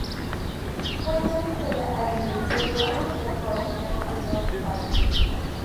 Cuenta una historia agridulce de una mujer joven que ha perdido a su padre.